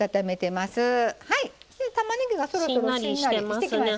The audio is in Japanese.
たまねぎがそろそろしんなりしてきました？